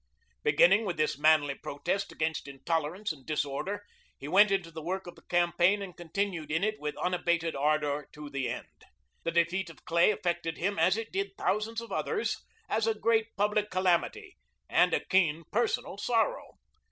Beginning with this manly protest against intolerance and disorder, he went into the work of the campaign and continued in it with unabated ardor to the end. The defeat of Clay affected him, as it did thousands of others, as a great public calamity and a keen personal sorrow.